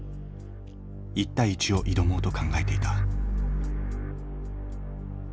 １対１を挑もうと考えていた。